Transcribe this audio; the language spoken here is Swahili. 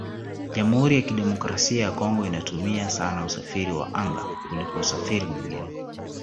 Jamhuri ya Kidemokrasia ya Congo inatumia sana usafiri wa anga kuliko usafiri mwingine